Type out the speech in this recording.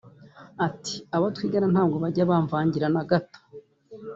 Ati “Abo twigana ntabwo bajya bamvangira na gato